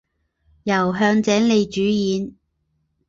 由向井理主演。